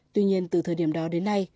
tuy nhiên từ thời điểm đó đến nay